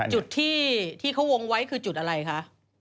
จุดที่เขาวงไว้คือจุดอะไรคะ